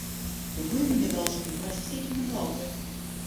Вы мне должны простить многое.